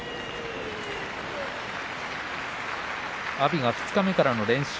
阿炎は二日目からの連勝。